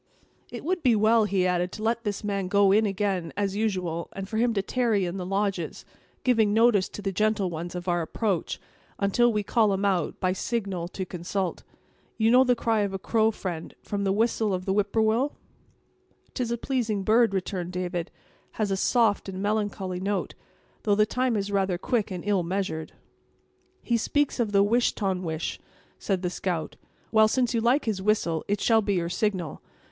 "It would be well," he added, "to let this man go in again, as usual, and for him to tarry in the lodges, giving notice to the gentle ones of our approach, until we call him out, by signal, to consult. You know the cry of a crow, friend, from the whistle of the whip poor will?" "'Tis a pleasing bird," returned David, "and has a soft and melancholy note! though the time is rather quick and ill measured." "He speaks of the wish ton wish," said the scout; "well, since you like his whistle, it shall be your signal.